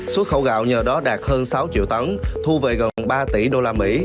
xuất khẩu gạo nhờ đó đạt hơn sáu triệu tấn thu về gần ba tỷ usd